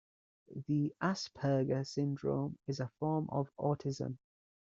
The Asperger syndrome is a form of autism.